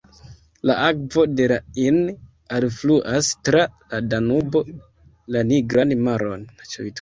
La akvo de la Inn alfluas tra la Danubo la Nigran Maron.